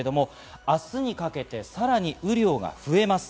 明日にかけてさらに雨量が増えます。